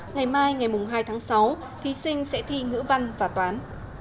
ngày mai ngày hai tháng sáu thí sinh sẽ thi ngữ văn và toán